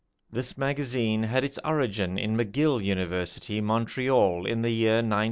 This magazine had its origin in McGill University, Montreal, in the year 1902.